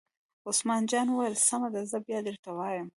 عثمان جان وویل: سمه ده زه بیا درته وایم.